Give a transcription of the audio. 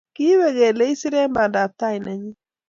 Kiipe kele isire eng pandaptai nenyi